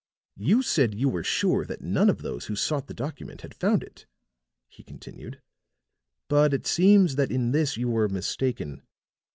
You said you were sure that none of those who sought the document had found it," he continued, "but it seems that in this you were mistaken.